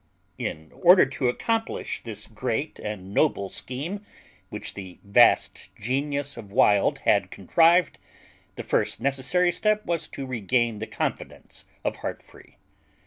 In order to accomplish this great and noble scheme, which the vast genius of Wild had contrived, the first necessary step was to regain the confidence of Heartfree.